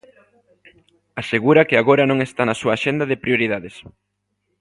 Asegura que agora non está na súa axenda de prioridades.